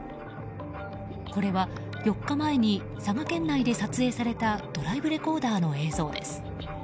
これは、４日前に佐賀県内で撮影されたドライブレコーダーの映像です。